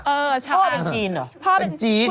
เออชาวอังคุณพ่อเป็นคนจีนหรอทางจีน